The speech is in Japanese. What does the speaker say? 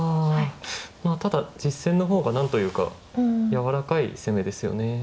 ただ実戦の方が何というか柔らかい攻めですよね。